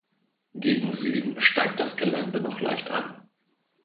Gegen Süden steigt das Gelände noch leicht an.